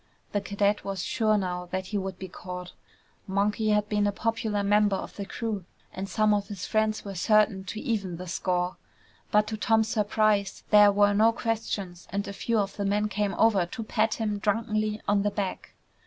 The cadet was sure now that he would be caught. Monkey had been a popular member of the crew and some of his friends were certain to even the score. But to Tom's surprise, there were no questions and a few of the men came over to pat him drunkenly on the back.